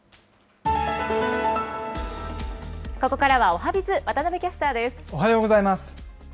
ここからはおはＢｉｚ、おはようございます。